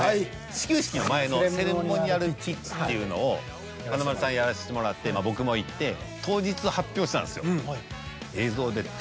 始球式の前のセレモニアルピッチっていうのを華丸さんやらせてもらってまぁ僕も行って当日発表したんですよ。